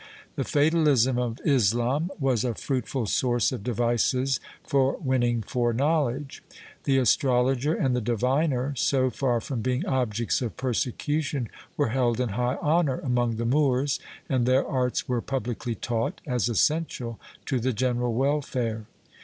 The fatalism of Islam was a fruitful source of devices for winning foreknowledge. The astrol oger and the diviner, so far from being objects of persecution, were held in high honor among the Moors, and their arts were publicly taught as essential to the general welfare.